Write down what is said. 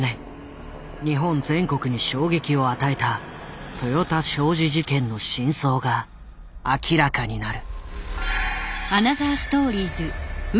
日本全国に衝撃を与えた豊田商事事件の真相が明らかになる。